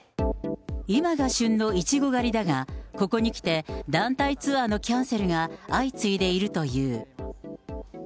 今が旬のイチゴ狩りだが、ここにきて、団体ツアーのキャンセルが相次いでいるという。